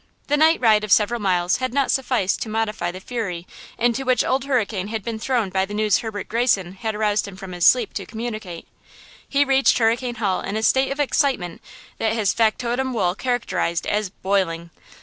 The night ride of several miles had not sufficed to modify the fury into which Old Hurricane had been thrown by the news Herbert Greyson had aroused him from sleep to communicate. He reached Hurricane Hall in a state of excitement that his factotum Wool characterized as "boiling."